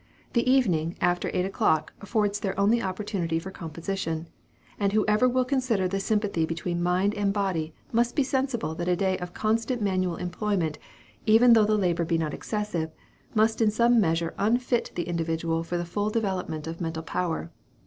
The evening, after eight o'clock, affords their only opportunity for composition; and whoever will consider the sympathy between mind and body, must be sensible that a day of constant manual employment, even though the labor be not excessive, must in some measure unfit the individual for the full development of mental power.